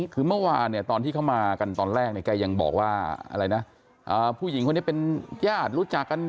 คือเมื่อวานเนี่ยตอนที่เขามากันตอนแรกเนี่ยแกยังบอกว่าอะไรนะผู้หญิงคนนี้เป็นญาติรู้จักกัน